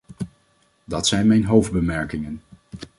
Dat zijn mijn hoofdbemerkingen.